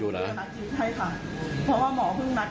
ก็คุมอารมณ์ตัวเองไม่ได้